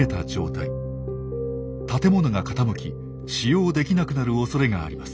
建物が傾き使用できなくなるおそれがあります。